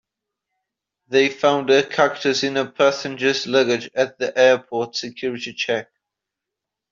They found a cactus in a passenger's luggage at the airport's security check.